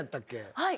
はい。